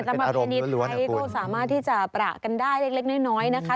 ประเพณีไทยก็สามารถที่จะประกันได้เล็กน้อยนะคะ